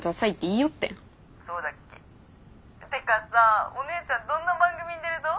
そうだっけ？ってかさお姉ちゃんどんな番組に出ると？